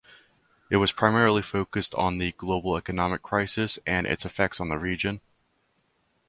It primarily focused on the global economic crisis and its effects on the region.